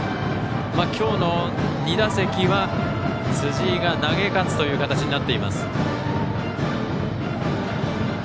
今日の２打席は辻井が投げ勝つという形です。